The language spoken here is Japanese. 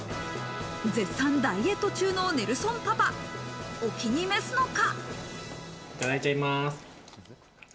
絶賛ダイエット中のネルソンパパ、お気に召すのか？